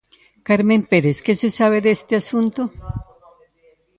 Carmen Pérez, que se sabe deste asunto?